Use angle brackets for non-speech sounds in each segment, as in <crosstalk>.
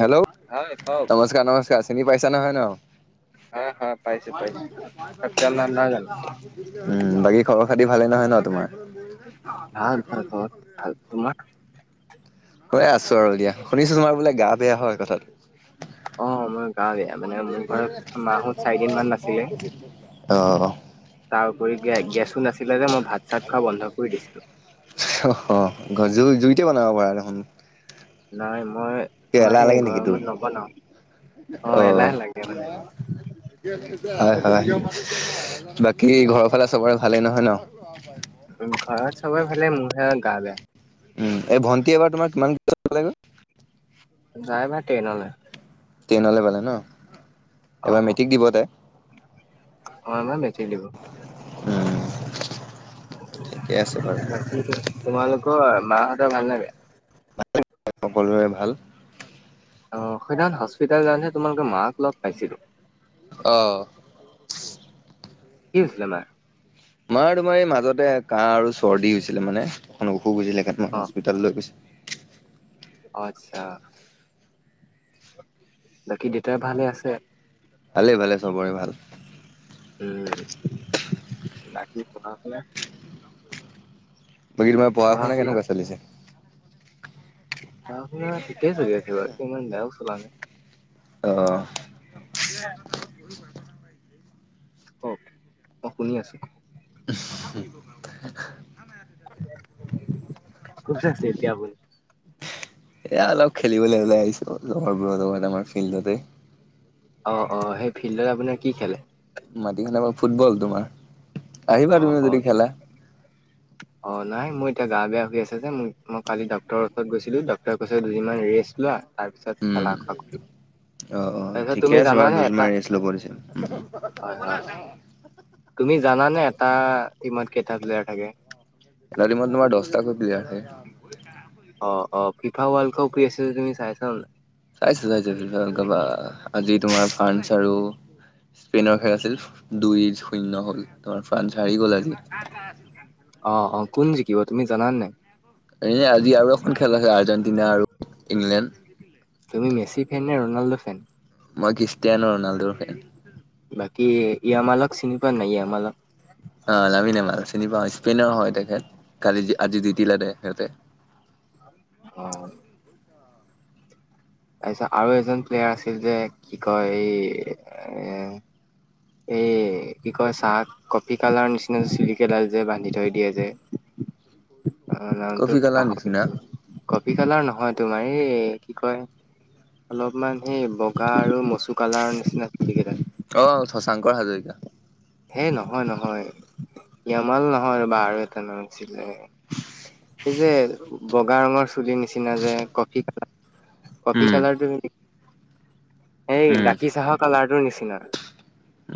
Hello হয় কওক নমস্কাৰ, নমস্কাৰ চিনি পাইছা নহয় ন। প হয় হয় পাইছো পাইছো ভ ধাইগ সত্যানন্দ নহয় জানো য আক <unintelligible> উম, বাকী খৰৰ খাতি ভালে নহয় ন তোমাৰ। ভাল, ভাল ঘৰত ভাল তোমাৰ? মই আছোঁ আৰু দিয়া শুনিছোঁ তোমাৰোলে গা বেয়া হয় কথাতো। অহ মোৰ গাৱ বেয়া, মানে মোৰ ঘৰত মাহত চাৰিদিন মান নাছিল। অ', অ'। তাৰ উপৰি গেছো নাছিলে যে মই ভাত চাত খোৱা বন্ধ কৰি দিছিলোঁ। জুই জুইতে বনাব পাৰ দেখোন। নাই মই কিয় আমাৰ এলাহ সেই লাগে নেকি তোৰ গৰমত নবনাও। অ অহ, এল হ লাগে মানে। হয় হয় বাকী ঘৰৰ ফালে চবৰে ভালেই নহয় ন। ফ আহ <unintelligible> ঘৰ চব ভালে, মোৰহে আৰু গা বেয়া। উম, এই ভণ্টি এবাৰ তোমাৰ কিমান ক্লাছত পালেগৈ? তাই এবাৰ টেইনলৈ। টেনলৈ পালে ন, অ এইবাৰ মেট্ৰিক দিব তাই? অ', এইবাৰ মেট্ৰিক দিব। উম <unintelligible> তোমালোকৰ ঠিকে আছে মাহঁতৰ বাৰু ভাল নে বেয়া? সকলোৰে ভাল। অ', সেইদিনাখন হস্পিতেল যাওঁতেহে তোমালোকৰ মাক লগ পাইছিলোঁ। অ', কি হৈছিলে মাৰ? মাৰ তোমাৰ এই মাজতে কাহ আৰু চৰ্দি হৈছিলে, মানে অকন অসুখ হৈছিলে, সেইকাৰণে মই অ হস্পিতাললৈ গৈছিলোঁ। অ', আচ্ছা। বাকী দেউতা ভালে আছে? ভালে, ভালে চবৰে ভাল। উম, বাকী পথাৰ ফালে? বাকী তোমাৰ পঢ়া পঢ়া-শুনা শুনা কেনেকুৱা চলিছে? পঢ়া-শুনা ঠিকেই চলি আছে, বাৰু এতিয়া ইমান বেয়াও চলা নাই। অ অ <unintelligible> কওক, মই শুনি আছোঁ। <inaudible> ক'ত হে আছে এতিয়া আপুনি? এইয়া অলপ খেলিবলৈ ওলাই আহিছোঁ, লগৰবোৰৰ লগত আমাৰ ফিল্ডতে। অ', অ', সেই ফিল্ডত আপোনাৰ কি খেলে? মাটিখন আমাৰ ফুটবল তোমাৰ। আহিবা তুমি অ', অ। যদি খেলা অ', নাই মোৰ এতিয়া গা বেয়া হৈ আছে যে, মোৰ মই কালি ডক্টৰৰ ওচৰত গৈছিলোঁ। ডক্টৰ ডক্টৰে কৈছে দুদিনমান ৰেষ্ট লোৱা, তাৰপিছত উম। খেলা-ধূলা কৰিবা। অ', অ', ঠিকে আছে বাৰু দুদিনমান ৰেষ্ট ল'ব দিছে। হয় হয় তুমি জানানে এটা টিমত কেইটা প্লেয়াৰ থাকে? এটা টিমত তোমাৰ দশটাকৈ প্লেয়াৰ থাকে। অ', অ। ফিফা ৱৰ্ল্ড কাপ কৰি আছে যে তুমি চাইচা নে নাই? চাইচো, চাইচো। ফিফা ৱৰ্ল্ড কাপ, আ, আজি তোমাৰ ফ্ৰান্স আৰু স্পেইনৰ খেল আছিল, দুই শূন্য হ'ল তোমাৰ। ফ্ৰান্স হাৰি গ'ল আজি। অ', অ। কোন জিকিব তুমি জানানে নাই? এ, আজি আৰু এখন খেল আছে, আৰ্জেণ্টিনা আৰু ইংলেণ্ড। তুমি মেচি ফ্ৰেণ্ড নে ৰনাল্ডো ফ্ৰেণ্ড? মই ক্ৰীষ্টিয়ানো ৰনাল্ডোৰ ফ্ৰেণ্ড। বাকী য়ামালক চিনি পোৱা নে নাই য়ামালক? অ', লামিন য়ামাল চিনি পাওঁ স্পেইনৰ হয় তেখেত। কালি, আজি জিকিলে সিহঁতে। অ',। তাৰপিছত, আৰু এজন প্লেয়াৰ আছিল যে, কি কয় এই এ এই কি কয় চাহ, কফি কালাৰ নিচিনা, চুলিকেইডাল যে বান্ধি থৈ দিয়ে যে <inaudible> অ', নামটো কফি কালাৰ নিচিনা পাহৰিলোঁ, কফি কালাৰ নহয় তোমাৰ এই কি কয়? অলপমান সেই বগা আৰু মচু কালাৰ নিচিনা চুলি কেইডাল। অ', শশাংকৰ হাজৰিকা। হে নহয়, নহয়। য়ামাল নহয় ৰ'বা আৰু এটা নাম আছিলে। এই যে বগা ৰঙৰ চুলিৰ নিচিনা যে, কফি কালাৰ, কফি উম কালাৰটো নেকি? এই উম। গাখীৰ চাহৰ কালাৰটোৰ নিচিনা।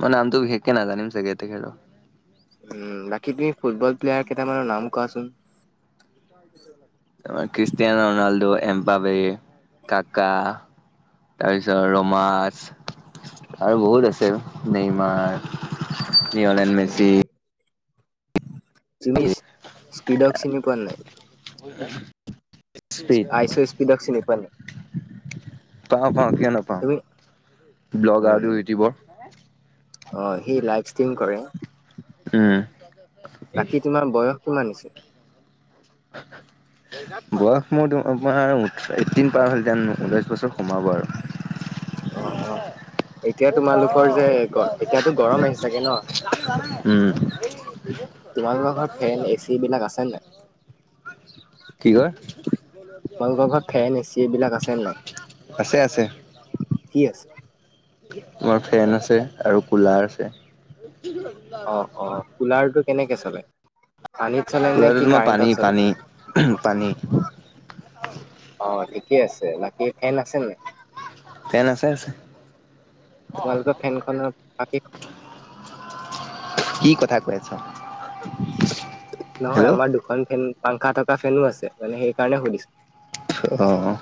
মই নামটো বিশেষকে নাজানিম চাগে তেখেতৰ। উম, বাকী তুমি ফুটবল প্লেয়াৰ কেইটামানৰ নাম কোৱাচোন। <inaudible> ক্ৰিষ্টিয়ানো ৰনাল্ডো, এম্পাৱে, কাকা। তাৰপিছত ৰ'মাছ, আৰু বহুত আছে নেইমাৰ। লিঅ'নেল উম, মেচি তুমি স্পিডক চিনি পোৱা নাই? হয়, <unintelligible> আইছো স্পিডক চিনি পালো। পাওঁ, পাওঁ, কিয় নাপাওঁ, ব্লগাৰটো উম, ইউটিউবৰ। অ', সি লাইভ ষ্ট্ৰিম কৰে। উম। <unintelligible> বাকী তোমাৰ বয়স কিমান হৈছে? <unintelligible> বয়স মোৰ তোমাৰ ওঠ এইটিন পাৰ হ'ল, যেন ঊনৈশ বছৰ সোমাব আৰু। অ', অ'। এতিয়া তোমালোকৰ যে এতিয়াতো গৰম আহি চাগে ন'? উম, তোমালোকৰ ঘৰত ফেন, এ চি এইবিলাক আছে নাই? কি কয়? তোমালোকৰ ঘৰত ফেন, এ চি এইবিলাক আছে নাই? আছে, আছে। কি আছে? আমাৰ ফেন আছে, আৰু কুলাৰ আছে। অ', অ', কুলাৰটো কেনেকে চলে? পানীত চলে নে, কুলাৰটো কি তোমাৰ পানী কাৰেণ্টত পানী পানী চলে? অ', থিকে আছে, বাকী ফেন আছে নাই? ফেন আছে আছে। তোমালোকৰ ফেনখনৰ <unintelligible> কি কথা কৈ আছা? নহয় হেল্ল'। আমাৰ দুখন ফেন পাংখা থকা ফেন ও আছে, মানে সেইকাৰণে সুধিছো। অ',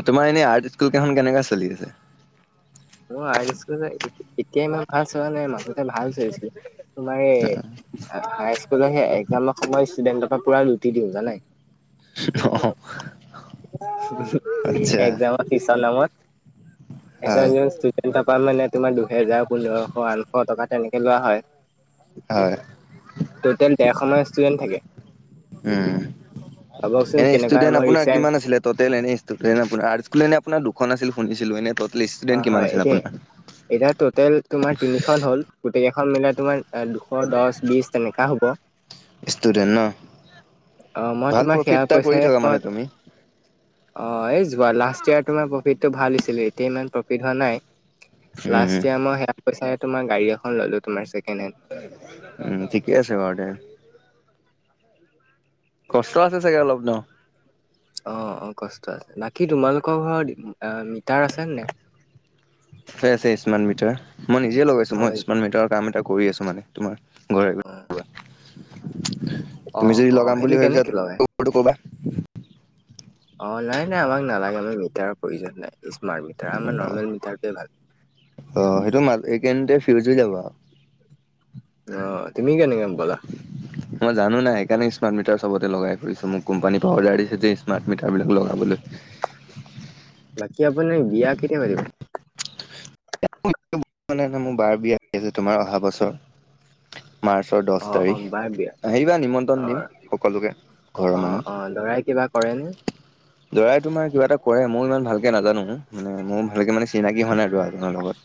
এ তোমাৰ এনে আৰ্ট স্কুলকেইখন কেনেকা চলি আছে? মোৰ আৰ্ট স্কুল এতিয়াই মই ভাল চোৱা নাই মাজতে ভাল চলিছিলে, তোমাৰ এই হাই স্কুলৰ সেই একজামৰ সময় ষ্টুডেণ্টৰ পৰা পুৰা লুটি দিওঁ জানে। অ', অ'। আচ্ছা একজামৰ ফিছৰ নামত, পিছত হয় গৈ ষ্টুডেণ্টৰ পৰা মানে তোমাৰ দুহেজাৰ পোন্ধৰশ আঠশ টকা তেনেকে লোৱা হয়। হয় <unintelligible> ডেৰশ মান ষ্টুডেন্ট থাকে। উম। ভাবকচোন এনে কেনেকা ষ্টুডেণ্ট মই আপোনাৰ ৰিচেণ্ট কিমান আছিলে? ট'টেল এনে ষ্টুডেন্ট আপোনাৰ, <unintelligible> এনে আপোনাৰ দুখন আছিল শুনিছিলো এনে ট অ', হয় এতিয়া এতিয়া টোটেল তোমাৰ তিনিখন হ'ল, গোটেইকেইখন মিলাই তোমাৰ দুশ, দচ, বিশ তেনেকা হ'ব। ষ্টুডেন্ট ন, অ মই ভাল তোমাৰ সেয়া প্ৰফিট এটা কৰি পইচাই থকা মই মানে তুমি। অ', এই যোৱা লাষ্ট ইয়াৰ তোমাৰ প্ৰফিটটো ভাল দিছিলে, এতিয়া ইমান প্ৰফিট হোৱা নাই। উম লাষ্ট ইয়াৰ মই সেয়া পইচাৰে তোমাৰ গাড়ী এখন ল'লো, তোমাৰ ছেকেণ্ড হেণ্ড। উম, ঠিকে আছে বাৰু দিয়া। কষ্ট আছে চাগে অলপ ন'। অ অ কষ্ট আছে। বাকী তোমালোকৰ ঘৰত মিটাৰ আছে নাই? আছে আছে স্মাৰ্ট মিটাৰ। মই নিজে লগাইছো অ মই স্মাৰ্ট মিটাৰৰ কাম এটা কৰি আছো মানে তোমাৰ ঘৰে ঘৰে। উম তুমি যদি লগাম বুলি সেইটো ভাবিছা কেনেকে লগাই <unintelligible> ক'বা। অ নাই নাই আমাক নালাগে আমি মিটাৰৰ প্ৰয়োজন নাই। স্মাৰ্ট মিটাৰ আমাৰ নৰ্মেল মিটাৰটোৱে ভাল অ সেইটো মাজ এইকেইদিনতে ফিউজ হৈ যাব আৰু অ তুমি কেনেকে গম পালা মই জানো নাই সেইকাৰণে স্মাৰ্ট মিটাৰ চবতে লগাই কৰিছোঁ মোক কোম্পানীৰ পা অৰ্ডাৰ দিছে যে স্মাৰ্ট মিটাৰবিলাক লগাবলৈ বাকী আপুনি বিয়া কেতিয়া পাতিব <unintelligible> মোৰ বাৰ বিয়া আহি আছে তোমাৰ অহা বছৰ মাৰ্চৰ দছ অ অ তাৰিখ বাৰ বিয়া আহিবা অ নিমন্ত্ৰণ দিম সকলোকে ঘৰৰ অ মানুহ অ দৰাই কিবা কৰেনে দৰাই তোমাৰ কিবা এটা কৰে মই ইমান ভালকে নাজানো মানে মোৰ ভালকে মানে চিনাকি হোৱা নাই দৰাজনৰ লগত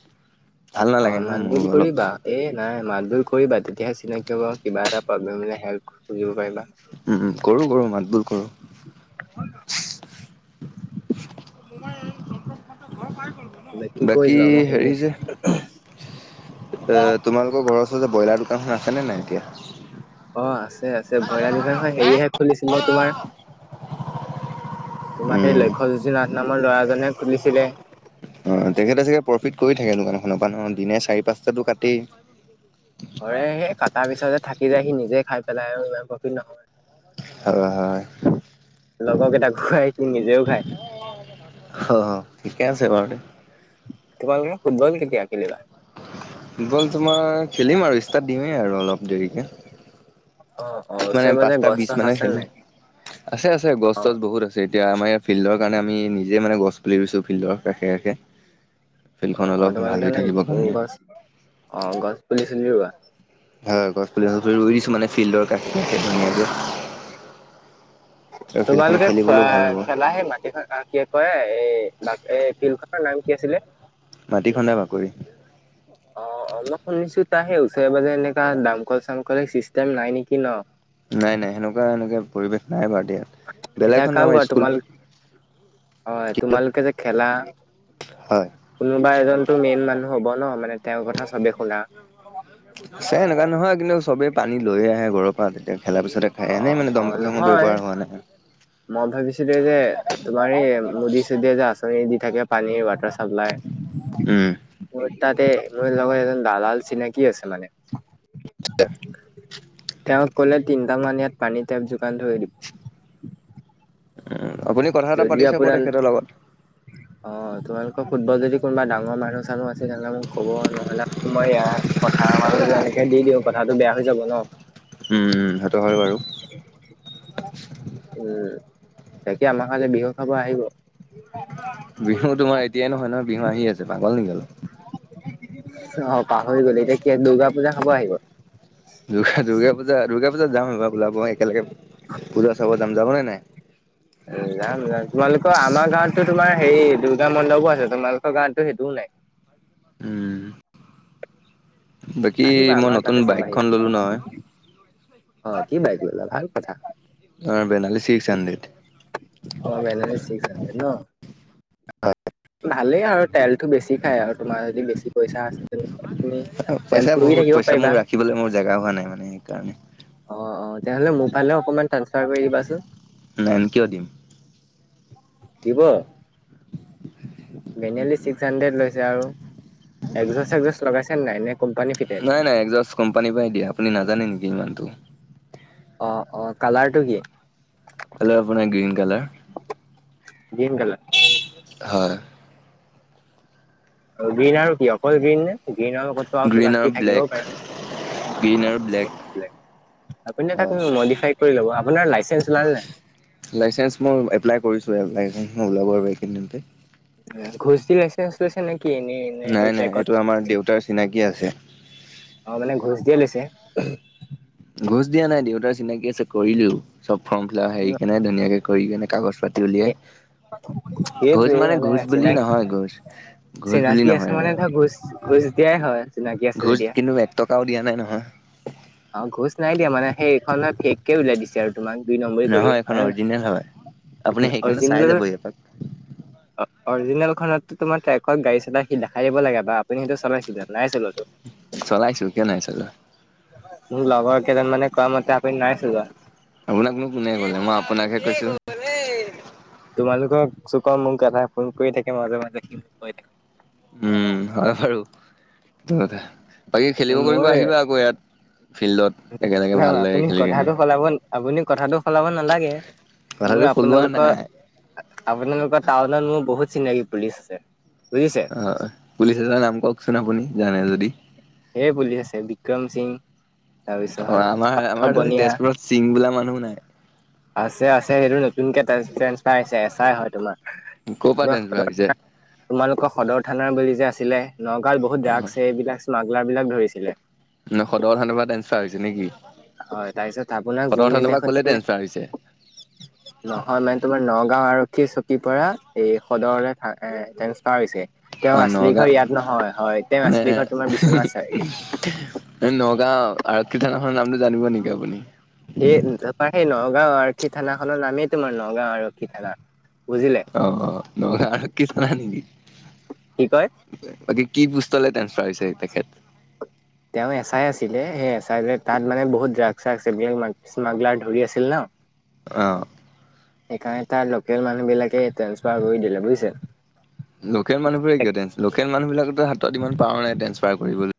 ভাল অ নালাগে ন মাত মোৰো বুল অলপ কৰিবা এই নাই মাতবোৰ কৰিবা তেতিয়াহে চিনাকি হবা কিবা এটা প্ৰব্লেম হলে হেল্প খুজিব পাৰিবা হু হু কৰো কৰো মাত বোল কৰো হয় নহয় বাকী কৈ যোৱা হেৰি মই যে শুনি আছো এ তোমালোকৰ ঘৰৰ ওচৰত যে ব্ৰইলাৰ দোকানখন আছেনে নাই এতিয়া অ আছে আছে ব্ৰইলাৰ দোকানখন হেৰিয়েহে খুলিছিলে তোমাৰ তোমাৰ এই উম লক্ষ্যজ্যোতি নাথ নামৰ ল'ৰাজনে খুলিছিলে অ তেখেতে চাগে প্ৰফিট কৰি থাকে দোকানখনৰ পৰা ন দিনে চাৰি পাঁচটাতো কাটেই কৰে সেই কটাৰ পিছতে থাকি যায় সি নিজে খাই পেলাই আৰু ইমান প্ৰফিট নহয় হয় হয় লগৰকেইটাক খোৱাই সি নিজেও খায় অ ঠিকে আছে বাৰু দে তোমালোক ফুটবল কেতিয়া খেলিবা ফুটবল তোমাৰ খেলিম আৰু ষ্টাৰ্ট দিমেই আৰু অলপ দেৰিকে অ অ মানে ওচৰে পাজৰে পাঁচটা গছ বিছ চছ মানে আছে খেলো নাই আছে আছে অ গছ তছ বহুত আছে এতিয়া আমাৰ ফিল্ডৰ কাৰণে আমি নিজে মানে গছ পুলি ৰুছো ফিল্ডৰ কাষে কাষে ফিল্ডখন অ অলপ ভাল তোমালোকে হৈ মানে থাকিবৰ কাৰণে গছ অ গছ পুলি চুলি ৰুৱা হয় গছ পুলি চছ পুলি ৰুইছো মানে ফিল্ডৰ কাষে কাষে ধুনিয়াকে তোমালোকে খোৱা খেলিবলৈও ভাল হ'ব। খেলাহে মাটিকণ <unintelligible> ক এই বাক এই ফিল্ড খনৰ নাম কি আছিলে মাটি খন্দা বাকৰি অ অ মই শুনিছো তাৰ সেই ওচৰে পাজৰে এনেকা দামকল চামকল চিষ্টেম নাই নিকি ন নাই নাই সেনেকুৱা এনেকা পৰিৱেশ নাই বাৰু এতিয়া এতিয়া কাওৱা তোমালোক অ তোমালোকে যে খেলা হয়। কোনোবা এজনতো মেইন মানুহ হ'ব ন মানে তেওঁৰ কথা চবে শুনা আছে এনেকুৱা নহয় কিন্তু চবেই পানী লৈয়ে আহে ঘৰত পোৱা তেতিয়া খেলাৰ পিছতে খাই অ এনেই মানে অ দমকল চমকলৰ নহয় ব্যৱহাৰ হোৱা নাই মই ভাবিছিলো যে তোমাৰ এই মুদী-চুদিয়ে যে, আঁচনি দি থাকে পানীৰ ৱাটাৰ চাপ্লাই? উম। মোৰ তাতে মোৰ লগত এজন দালাল চিনাকি আছে মানে। তেওঁক ক'লে তিনিটা মান ইয়াত পানী টেপ যোগান ধৰি দিব। উম, আপুনি কথা এটা যদি পাতি চাব আপোনাৰ তেখেতৰ লগত। অ', তোমালোকৰ ফুটবল যদি কোনোবা ডাঙৰ মানুহ--চানুহ আছে তেনে মোক ক'ব, নহ'লে মই ইয়া কথা <unintelligible> এনেকে দি দিওঁ কথাটো বেয়া হৈ যাব ন'! উম, সেইটো হয় বাৰু। উম, বাকি আমাৰ ফালে বিহু খাব আহিব। বিহু তোমাৰ এতিয়াই নহয় নহয় বিহু আহি আছে পাগল নেকি অলপ অ', পাহৰি গ'ল এতিয়া কি দূৰ্গা পূজা খাব আহিব। দুৰ্গা-দুৰ্গা পূজা দুৰ্গা পূজা যাম এইবাৰ ওলাব একেলগে পূজা চাব যাম। যাব নে নাই? <inaudible> যাম যাম তোমালোকৰ আমাৰ গাঁৱতো তোমাৰ হেৰি দুৰ্গা মণ্ডপো আছে, তোমালোকৰ গাঁৱতো সেইটোও নাই। উম বাকী আহিবা মই আমাৰ নতুন তাতে চাবাহি বাইকখন ল'লো নহয়। অ', কি বাইক ল'লা? ভাল কথা। অ', বেনালী ছিক্স হাণ্ড্ৰেড। অ', বেনালি ছিক্স হাড্ৰেড ন'! ভালেই আৰু তেলটো বেছি খাই আৰু তোমাৰ যদি বেছি পইচা আছে। তেনেহ'লে তুমি তেল পইচা পুৰি বহুত, থাকিব পইচা পাৰিবা মোৰ ৰাখিবলৈ মোৰ জেগা হোৱা নাই মানে সেইকাৰণে। অ', অ', তেনেহ'লে মোৰ ফালেও অকণমান ট্ৰান্সফাৰ কৰি দিবাচোন। নাই কিয় দিম? দিব? বেনেলি ছিক্স হাণ্ড্ৰেড লৈছে আৰু একগজছ চেগজছ লগাইছে নে নাই? নে কোম্পানী ফিটেড নাই নাই একজৰ্ছ কোম্পানীৰ পৰাই দিয়ে, আপুনি নাজানে নেকি ইমানটো? অ', অ', কালাৰটো কি? কালাৰ আপোনাৰ গ্ৰীণ কালাৰ। Green colour? হয়। গ্ৰীণ আৰু কি অকল গ্ৰীণ নে, গ্ৰীণৰ লগতো আৰু গ্ৰীণ কিবা কিবি ব্লেক থাকিবও গ্ৰীণ পাৰে? আৰু ব্লেক <unintelligible> আপুনি তাক হয় মডিফাই কৰি ল'ব, আপোনাৰ লাইচেন্ঞ্চ ওলাল নে নাই? লাইচেন্ঞ্চ মোৰ এপ্লাই কৰিছো হে, লাইচেঞ্চ মই ওলাব এইকেদিনতে। ঘোচ দি লাইচেঞ্চ কৈছে নে কি এনেই এনে সেই নাই নাই ট্ৰেকত এইটো আমাৰ দেউতাৰ চিনাকি আছে। অ', মানে ঘোচ দিয়ে লৈছে? ঘোচ দিয়া নাই দেউতাৰ চিনাকি আছে কৰিলোও, চব ফৰ্ম ফিলপ হেৰি কেনে ধুনীয়াকে কৰি কিনে কাগজ পাতি উলিয়াই। ঘোচ সেইটোৱে মানে ঘোচ বুলি চিনাকি নহয় ঘোচ ঘোচ বুলি চিনাকি আছে নহয় মানে আৰু। ধৰ ঘোচ ঘোচ দিয়াই হয়। চিনাকি আছে ঘোচ যেতিয়া কিন্তু এক টকাও দিয়া নাই নহয়। অ', ঘোচ নাই দিয়া মানে, সেই এইখন ফেক কে ওলিয়াই দিছে আৰু তোক দুই নম্বৰী কৰি হয় নে নহয়? <unintelligible> আপুনি সেইকাৰণে চাই <unintelligible> <inaudible> অৰ্জিনেল খনতটো তোমাৰ ট্ৰেকত গাড়ী চলাই সি দেখাই দিব লাগে বা আপুনি সেইটো চলাইছিলে জানো, নাই চলোৱাটো? চলাইছো কিয় নাই চলোৱা। মোক লগৰ কেইজন মানে কোৱা মতে আপুনি নাই চলোৱা? আপোনাক নো কোনে কলে, মই আপোনাকহে কৈছো। তোমালোকক চুকৰ মোক এটাই ফোন কৰি থাকে মাজে মাজে। উম হয় বাৰু সেইটো কথা, বাকী খেলিব কৰিব মোৰ আহিবা আকৌ ইয়াত। ফিল্ডত। একেলগে ভাল লাগে আপুনি খেলি কেনে কথাটো সলাব আপুনি কথাটো সলাব নালাগে, মোৰ কথাটো সলোৱা আপোনালোকৰ নাই আপোনালোকৰ টাউনত মোৰ বহুত চিনাকি পুলিচ আছে বুজিছে। হয়, পুলিচ এটাৰ নাম কওঁকচোন আপুনি জানে যদি? সে পুচিল এ বিক্ৰম সিং। তাৰপিছত অ আমাৰ পাৰ্থ আমাৰটো বনিয়া তেজপুৰত চিং বোলা মানুহ নাই। আছে, আছে সেইটো নতুনকে টেঞ্চফাৰ হৈছে এচ আই হয় তোমাৰ। ক'ৰ পৰা তোমাৰ টেনচফাৰ হৈছে? তোমালোকৰ সদৰ থানাৰ বুলি যে আছিলে, নগাঁত বহুত অ', ড্ৰাগছ এইবিলাক স্মাগলাৰ বিলাক ধৰিছিলে। ন সদৰ থানৰ পৰা ট্ৰেন্সফাৰ হৈছে নেকি, হয় তাৰপিছত আপোনাক সদৰ থানৰ পৰা যোনদিনাখন কলে মানে ট্ৰেন্সফাৰ হৈছে? <inaudible> নহয় মানে তোমাৰ নগাঁও আৰক্ষী চকীৰ পৰা, এই সদৰলে ট্ৰেন্সফাৰ হৈছে। তেওঁ অ', আচলি নগাঁও ঘৰ ইয়াত নহয়, হয়' তেওঁ মানে আচলি ঘৰ তোমাৰ বিশ্বনাথ চাৰিআলি। নগাঁও আৰক্ষী থানাখনৰ নামটো জানিব নেকি আপুনি? সেই তাপা সেই নগাঁও আৰক্ষী থানা খনৰ নামেই তোমাৰ নগাঁও আৰক্ষী থানা। বুজিলে অ' অ 'নগাঁও আৰক্ষী থানা নেকি? কি কয় বাকে কি পোস্টলে ট্ৰেন্সফাৰ হৈছে তেখেত? তেওঁ এছ আই আছিলে, সেই এছ আই যে তাত মানে বহুত ড্ৰাগছ শ্ৰাগছ এইবিলাক স্মাগলাৰ ধৰি আছিল ন। অ। সেইকাৰণে তাৰ লোকেল মানুহ বিলাকে ট্ৰেঞ্চফাৰ কৰি দিলে বুজিছে? লোকেল মানুহবোৰে কিয় টেঞ্চ, লোকেল মানুহবিলাকৰ তো হাতত ইমান পাৱাৰ নাই ট্ৰেঞ্চফাৰ কৰিবলে।